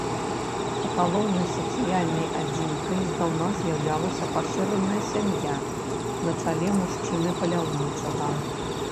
Галоўнай сацыяльнай адзінкай здаўна з'яўлялася пашыраная сям'я на чале мужчыны-паляўнічага.